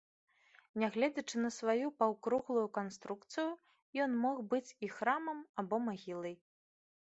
Нягледзячы на сваю паўкруглую канструкцыю, ён мог быць і храмам або магілай.